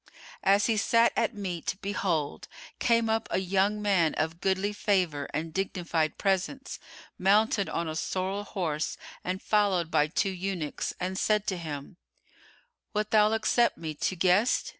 As he sat at meat, behold, came up a young man of goodly favour and dignified presence, mounted on a sorrel horse and followed by two eunuchs, and said to him, "Wilt thou accept me to guest?"